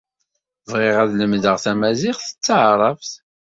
Bɣiɣ ad lemdeɣ tamaziɣt d teɛṛabt.